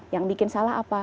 yang bikin salah apa